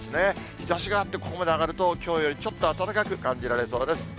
日ざしがあって、ここまで上がると、きょうよりちょっと暖かく感じられそうです。